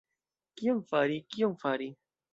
Kion fari, kion fari?